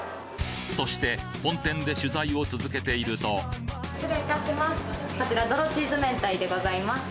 そして本店で取材を続けていると失礼いたします